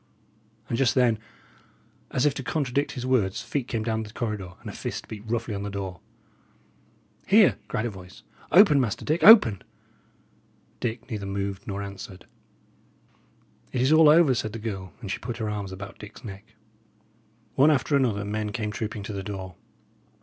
And just then, as if to contradict his words, feet came down the corridor, and a fist beat roughly on the door. "Here!" cried a voice. "Open, Master Dick; open!" Dick neither moved nor answered. "It is all over," said the girl; and she put her arms about Dick's neck. One after another, men came trooping to the door.